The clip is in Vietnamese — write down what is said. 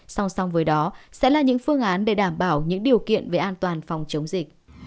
song song với đó sẽ là những phương án để đảm bảo những điều kiện về an toàn phòng chống dịch